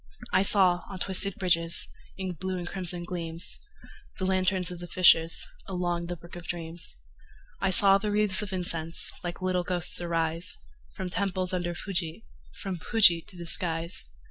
I saw, on twisted bridges, In blue and crimson gleams, The lanterns of the fishers, Along the brook of dreams. I saw the wreathes of incense Like little ghosts arise, From temples under Fuji, From Fuji to the skies.